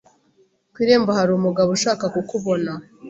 Ku irembo hari umugabo ushaka kukubona.